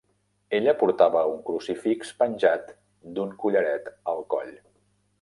Ella portava un crucifix penjat d'un collaret al coll.